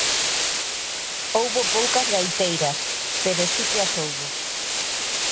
Houbo poucas gaiteiras, pero si que as houbo.